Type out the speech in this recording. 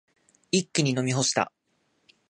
一気に飲み干した。